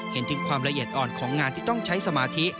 เห็นถึงความละเอียดอ่อนของงานที่ต้องใช้สมาธิ